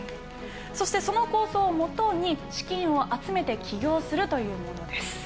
そしてその構想をもとに資金を集めて起業するというものです。